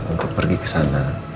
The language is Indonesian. untuk pergi kesana